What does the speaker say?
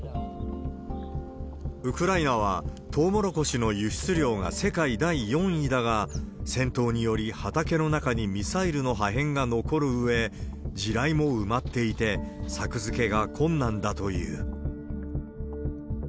ウクライナは、トウモロコシの輸出量が世界第４位だが、戦闘により、畑の中にミサイルの破片が残るうえ、地雷も埋まっていて、作付けが困難だという。